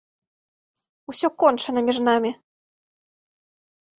Усё кончана між намі!